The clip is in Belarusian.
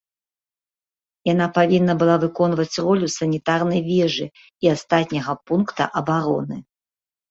Яна павінна была выконваць ролю санітарнай вежы і астатняга пункта абароны.